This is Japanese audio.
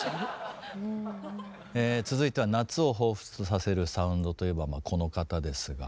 続いては夏を彷彿とさせるサウンドといえばまあこの方ですが。